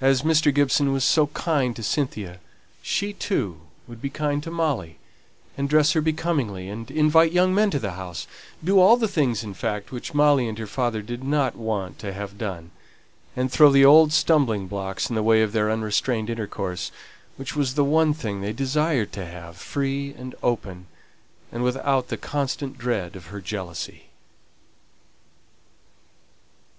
As Mr. Gibson was so kind to Cynthia, she too would be kind to Molly, and dress her becomingly, and invite young men to the house; do all the things, in fact, which Molly and her father did not want to have done, and throw the old stumbling blocks in the way of their unrestrained intercourse, which was the one thing they desired to have, free and open, and without the constant dread of her jealousy.